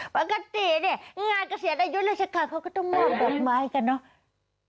ปกติเนี่ยงานเกษียณอายุราชการเขาก็ต้องมอบดอกไม้กันเนอะ